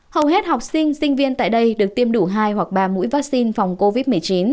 hầu hết học sinh sinh viên tại đây được tiêm đủ hai hoặc ba mũi vaccine phòng covid một mươi chín